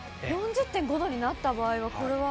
４０．５度になった場合は、これは？